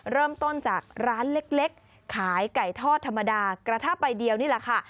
เริ่มต้นจากร้านเล็กขายไก่ทอดธรรมดากระทะใบเดียวนี่แหละค่ะ